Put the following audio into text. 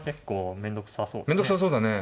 面倒くさそうだね。